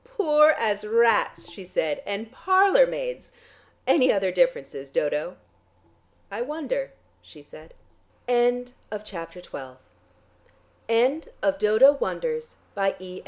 "Poor as rats," she said, "and parlour maids! Any other differences, Dodo?" "I wonder," she said. THE END End of the Project Gutenberg EBook of Dodo Wonders, by E.